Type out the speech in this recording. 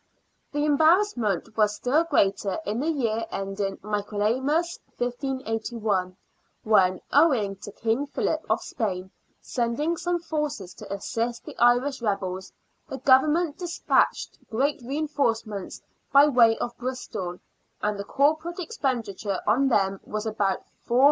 The embarrassment was still greater in the year ending Michaelmas, 1581, when, owing to King Philip of Spain sending some forces to assist the Irish rebels, the Government despatched great reinforcements by way of Bristol, and the corporate expenditure on them was about £4,000.